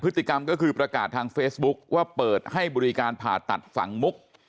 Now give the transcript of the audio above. พฤติกรรมก็คือประกาศทางเฟซบุ๊คว่าเปิดให้บริการผ่าตัดฝั่งมุก